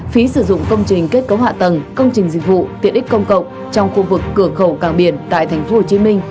phí sử dụng công trình kết cấu hạ tầng công trình dịch vụ tiện ích công cộng trong khu vực cửa khẩu càng biển tại tp hcm